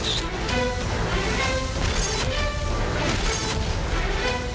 สวัสดีครับ